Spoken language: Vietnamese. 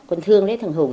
con thương lấy thằng hùng